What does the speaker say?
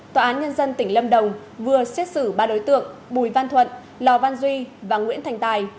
tòa án nhân dân tỉnh lâm đồng vừa xét xử ba đối tượng bùi văn thuận lò văn duy và nguyễn thành tài